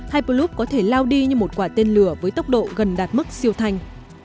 hyproup có thể lao đi như một quả tên lửa với tốc độ gần đạt mức siêu thanh